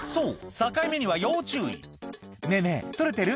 境目には要注意「ねぇねぇ撮れてる？